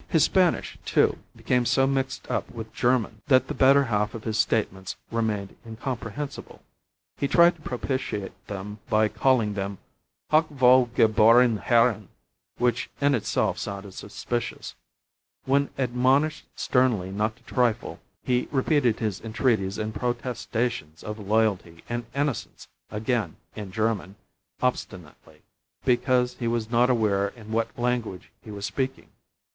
His Spanish, too, became so mixed up with German that the better half of his statements remained incomprehensible. He tried to propitiate them by calling them hochwohlgeboren herren, which in itself sounded suspicious. When admonished sternly not to trifle he repeated his entreaties and protestations of loyalty and innocence again in German, obstinately, because he was not aware in what language he was speaking.